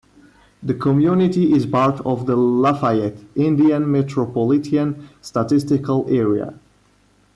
The community is part of the Lafayette, Indiana Metropolitan Statistical Area.